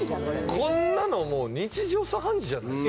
こんなのもう日常茶飯事じゃないですか。